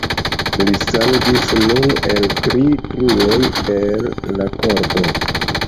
Li sangis nun el tri truoj el la korpo.